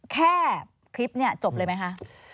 แค่คลิปนี้จบเลยไหมคะ